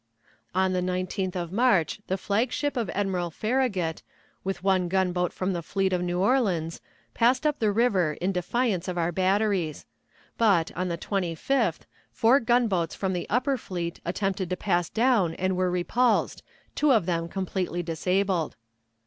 On the 19th of March the flag ship of Admiral Farragut, with one gunboat from the fleet at New Orleans, passed up the river in defiance of our batteries; but, on the 25th, four gunboats from the upper fleet attempted to pass down and were repulsed, two of them completely disabled.